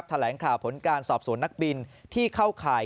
แถลงข่าวผลการสอบสวนนักบินที่เข้าข่าย